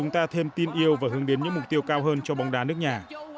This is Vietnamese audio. chúng ta thêm tin yêu và hướng đến những mục tiêu cao hơn cho bóng đá nước nhà